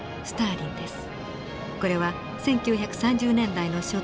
これは１９３０年代の初頭